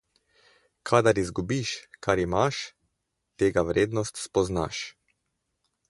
Kadar izgubiš, kar imaš, tega vrednost spoznaš.